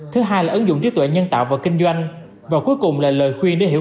thứ hai là ứng dụng trí tuệ nhân tạo vào kinh doanh và cuối cùng là lời khuyên để hiểu